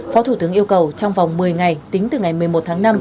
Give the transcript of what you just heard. phó thủ tướng yêu cầu trong vòng một mươi ngày tính từ ngày một mươi một tháng năm